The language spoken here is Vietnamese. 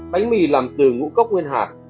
bánh mì làm từ ngũ cốc nguyên hạt